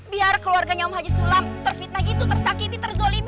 biar keluarganya muhammad haji sulam terfitnah gitu tersakiti terzolimi